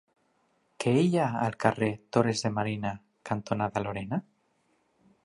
Què hi ha al carrer Torres de Marina cantonada Lorena?